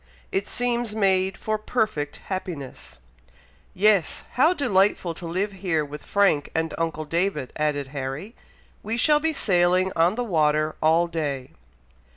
It seems made for perfect happiness!" "Yes! how delightful to live here with Frank and uncle David!" added Harry. "We shall be sailing on the water all day!"